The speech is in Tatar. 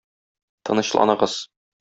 Тынычланыгыз.